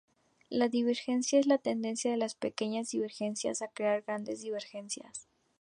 La divergencia es la tendencia de las pequeñas divergencias a crear grandes divergencias.